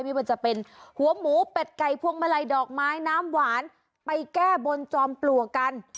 ไม่ว่าจะเป็นหัวหมูเป็ดไก่พวงมาลัยดอกไม้น้ำหวานไปแก้บนจอมปลวกกัน